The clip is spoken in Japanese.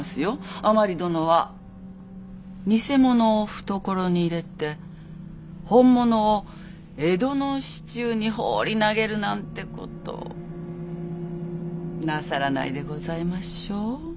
甘利殿は偽物を懐に入れて本物を江戸の市中に放り投げるなんてことなさらないでございましょう？